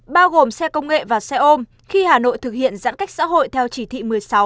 bao gồm xe công nghệ và xe ôm khi hà nội thực hiện giãn cách xã hội theo chỉ thị một mươi sáu